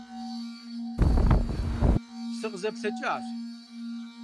СыкъызэплъэкӀащ.